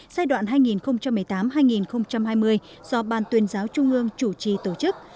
giai đoạn hai nghìn một mươi tám hai nghìn hai mươi do ban tuyên giáo trung ương chủ trì tổ chức